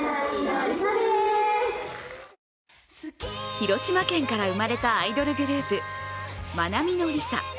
広島県から生まれたアイドルグループ、まなみのりさ。